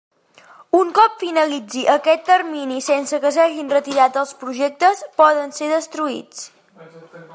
Un cop finalitzi aquest termini sense que s'hagin retirat els projectes, poden ser destruïts.